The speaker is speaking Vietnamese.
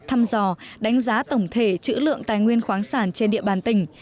thăm dò đánh giá tổng thể chữ lượng tài nguyên khoáng sản trên địa bàn tỉnh